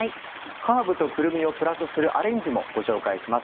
ハーブとくるみをプラスするアレンジもご紹介します。